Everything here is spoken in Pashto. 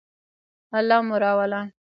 الله مو راوله